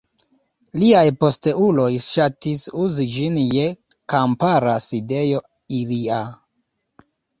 Liaj posteuloj ŝatis uzi ĝin je kampara sidejo ilia.